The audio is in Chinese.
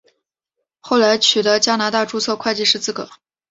后来取得加拿大注册会计师资格。